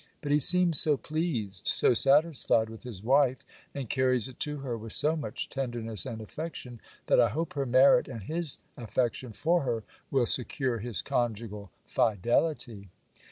But he seems so pleased, so satisfied with his wife, and carries it to her with so much tenderness and affection, that I hope her merit, and his affection for her, will secure his conjugal fidelity.